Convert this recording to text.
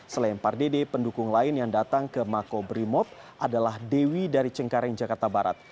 selain pak dede pendukung lain yang datang ke mako berimob adalah dewi dari cengkareng jakarta barat